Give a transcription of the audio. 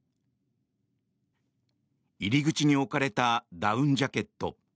入り口に置かれたダウンジャケット。